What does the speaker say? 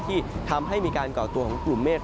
ที่ทำให้มีการก่อตัวของกลุ่มเมฆ